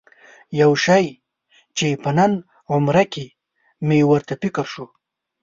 یو شی چې په نن عمره کې مې ورته فکر شو.